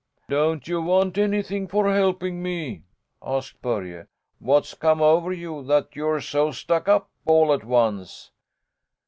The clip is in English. "Don't you want anything for helping me?" asked Börje. "What's come over you, that you're so stuck up all at once?"